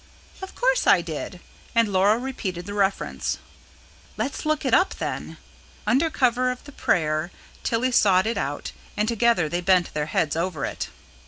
"Of course I did" and Laura repeated the reference. "Let's look it up then." Under cover of the prayer Tilly sought it out, and together they bent their heads over it.